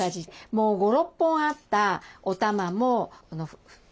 もう５６本あったおたまも２つ。